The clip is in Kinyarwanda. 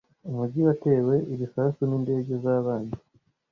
Umujyi watewe ibisasu n'indege z'abanzi.